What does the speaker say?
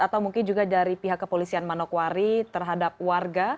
atau mungkin juga dari pihak kepolisian manokwari terhadap warga